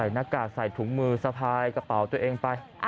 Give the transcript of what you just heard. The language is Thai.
หน้ากากใส่ถุงมือสะพายกระเป๋าตัวเองไป